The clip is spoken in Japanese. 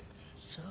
そう。